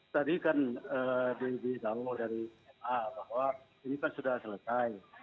tadi kan dwi dwi tahu dari ma bahwa ini kan sudah selesai